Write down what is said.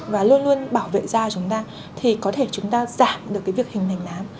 và luôn luôn bảo vệ da chúng ta thì có thể chúng ta giảm được việc hình thành nám